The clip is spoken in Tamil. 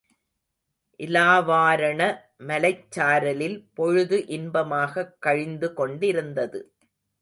இலாவாரண மலைச்சாரலில் பொழுது இன்பமாகக் கழிந்து கொண்டிருந்தது.